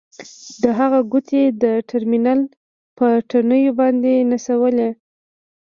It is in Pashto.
د هغه ګوتې د ټرمینل په تڼیو باندې نڅولې